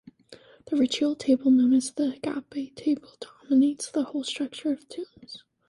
The ritual table known as the "Agape" table dominates the whole structure of tombs.